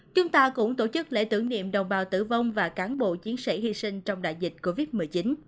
chúng ta cũng tổ chức lễ tưởng niệm đồng bào tử vong và cán bộ chiến sĩ hy sinh trong đại dịch covid một mươi chín